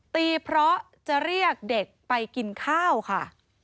ตีเพราะจะเรียกเด็กไปกินข้าวค่ะ